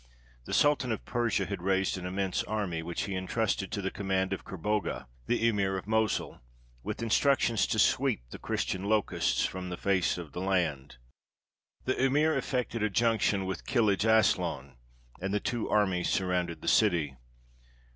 The sultan of Persia had raised an immense army, which he entrusted to the command of Kerbogha, the emir of Mosul, with instructions to sweep the Christian locusts from the face of the land. The emir effected a junction with Kilij Aslaun, and the two armies surrounded the city.